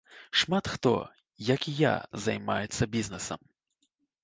Шмат хто, як і я, займаецца бізнэсам.